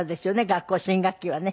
学校新学期はね。